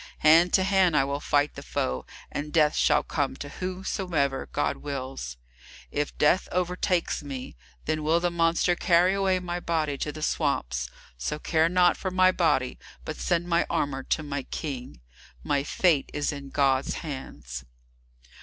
Hand to hand I will fight the foe, and death shall come to whomsoever God wills. If death overtakes me, then will the monster carry away my body to the swamps, so care not for my body, but send my armour to my King. My fate is in God's hands."